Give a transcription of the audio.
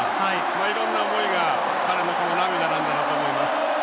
いろんな思いが彼の涙なんだろうと思います。